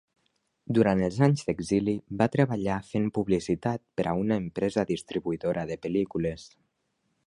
Durant els anys d'exili va treballar fent publicitat per a una empresa distribuïdora de pel·lícules.